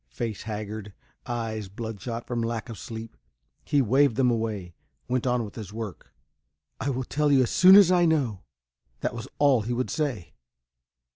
Face haggard, eyes bloodshot from lack of sleep, he waved them away, went on with his work. "I will tell you as soon as I know." That was all he would say.